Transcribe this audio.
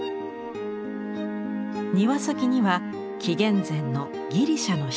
庭先には紀元前のギリシャの出土品。